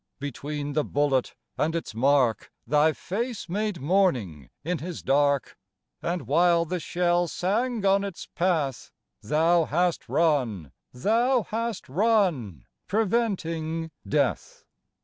Between the bullet and its mark Thy face made morning in his dark. And while the shell sang on its path Thou hast run, Thou hast run, preventing death.